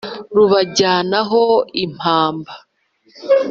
Rubajyanaho impamba.